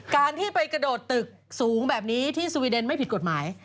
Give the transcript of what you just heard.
การที่ไปกระโดดตึกสูงแบบนี้ที่สวีเดนไม่ผิดกฎหมาย